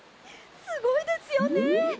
すごいですよね。